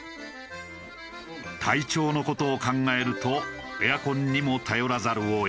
体調の事を考えるとエアコンにも頼らざるを得ない。